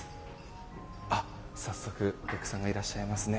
早速、お客さんがいらっしゃいますね。